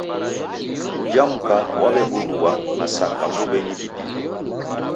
Uja mka w'aw'eburua masaka mbuw'enyi didiwi